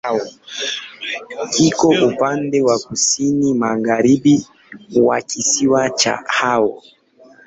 Kiko upande wa kusini-magharibi wa kisiwa cha Hao.